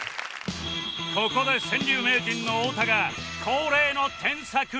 ここで川柳名人の太田が恒例の添削